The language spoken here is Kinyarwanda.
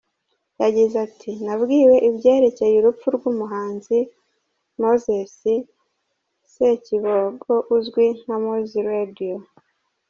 Yagize ati :” Nabwiwe ibyerekeye urupfu rw’umuhanzi Moses Ssekibogo uzwi nka Mowzey Radio.